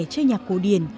chơi nhạc cổ điển